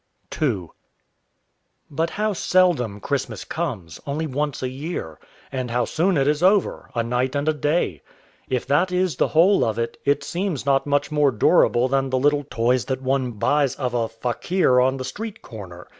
II But how seldom Christmas comes only once a year; and how soon it is over a night and a day! If that is the whole of it, it seems not much more durable than the little toys that one buys of a fakir on the street corner.